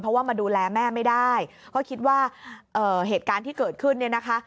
เพราะว่ามาดูแลแม่ไม่ได้ก็คิดว่าเหตุการณ์ที่เกิดขึ้นเนี่ยนะคะ